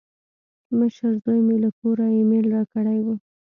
مشر زوی مې له کوره ایمیل راکړی و.